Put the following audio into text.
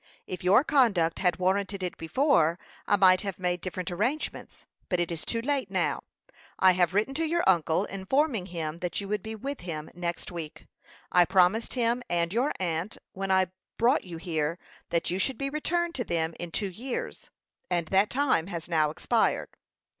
If your conduct had warranted it before, I might have made different arrangements; but it is too late now. I have written to your uncle, informing him that you would be with him next week. I promised him and your aunt, when I brought you here, that you should be returned to them in two years; and that time has now expired.